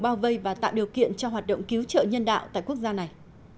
bao vây và tạo điều kiện cho hoạt động cứu trợ nhân đạo tại quốc gia này